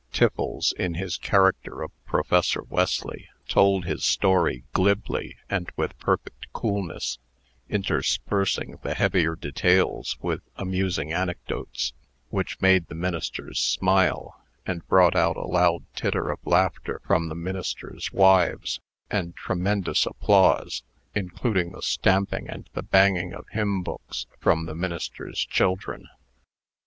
Tiffles, in his character of Professor Wesley, told his story glibly and with perfect coolness, interspersing the heavier details with amusing anecdotes, which made the ministers smile, and brought out a loud titter of laughter from the ministers' wives, and tremendous applause, inclusive of stamping and the banging of hymn books, from the ministers' children.